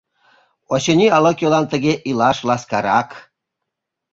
Очыни, ала-кӧлан тыге илаш ласкарак.